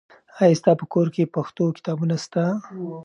آیا ستا په کور کې پښتو کتابونه سته؟